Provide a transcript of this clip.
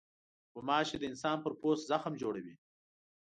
غوماشې د انسان پر پوست زخم جوړوي.